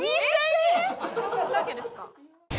そんだけですか？